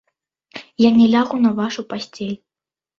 Я не лягу на вашу пасцель.